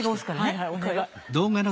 はいはいお願い。